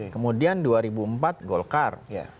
kemudian dua ribu empat golkar